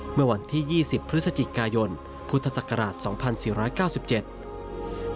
เมื่อวันที่๒๐พฤศจิกายนพุทธศักราช๒๔๙๗